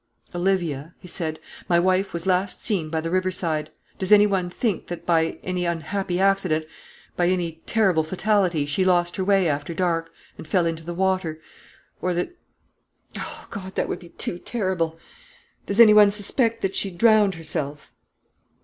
"Olivia," he said, "my wife was last seen by the river side. Does any one think that, by any unhappy accident, by any terrible fatality, she lost her way after dark, and fell into the water? or that O God, that would be too horrible! does any one suspect that she drowned herself?"